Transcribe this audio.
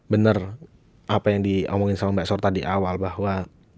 benar apa yang diomongin sama mbak sorta di awal bahwa